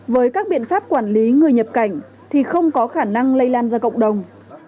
với các biện pháp quản lý người nhập cảnh thì không có khả năng lây lan ra cộng đồng